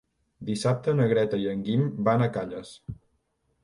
Dissabte na Greta i en Guim van a Calles.